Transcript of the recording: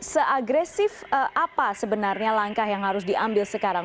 seagresif apa sebenarnya langkah yang harus diambil sekarang